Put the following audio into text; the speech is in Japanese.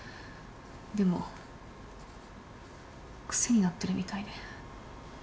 でも癖になってるみたいで震えが。